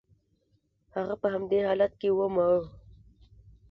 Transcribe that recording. هغه په همدې حالت کې ومړ.